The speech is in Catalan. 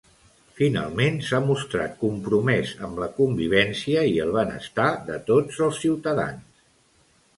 Finalment, s'ha mostrat compromès amb la convivència i el benestar de tots els ciutadans.